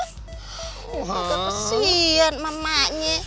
gak kesian mamaknya